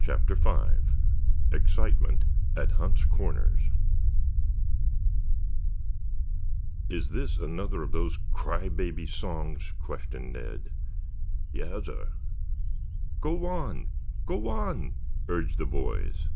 CHAPTER V EXCITEMENT AT HUNT'S CORNERS "Is this another of those cry baby songs?" questioned Ned. "Yassir." "Go on, go on," urged the boys.